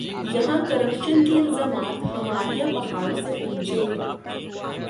یہاں کرپشن کے الزامات ہمالیہ پہاڑوں سے اونچے ہیں۔